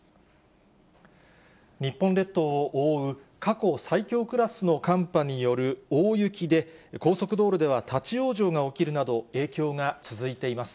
日本列島を覆う過去最強クラスの寒波による大雪で、高速道路では立往生が起きるなど、影響が続いています。